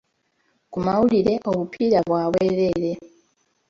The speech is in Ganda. Ku malwaliro, obupiira bwa bwereere.